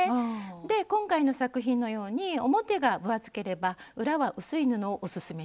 で今回の作品のように表が分厚ければ裏は薄い布をオススメします。